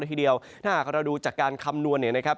ส่วนหน้าเราดูจากการคำนวณนะครับ